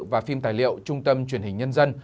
và phim tài liệu trung tâm truyền hình nhân dân